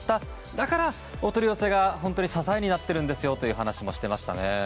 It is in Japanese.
だから、お取り寄せが支えになっているんですという話もしていましたね。